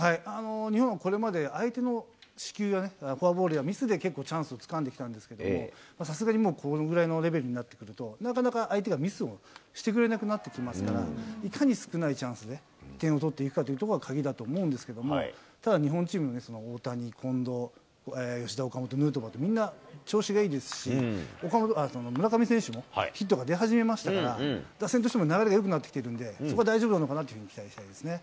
日本はこれまで、相手の死球やフォアボール、相手のミスでチャンスをつかんできたんですけれども、さすがにこのぐらいのレベルになってくると、なかなか相手がミスをしてくれなくなってきますから、いかに少ないチャンスで、点を取っていくかというところが鍵だと思うんですけども、ただ、日本チームも大谷、近藤、吉田、岡本、ヌートバーって、みんな調子がいいですし、村上選手もヒットが出始めましたから、打線としても流れがよくなってきてるんで、そこは大丈夫なのかなというふうに期待したいですね。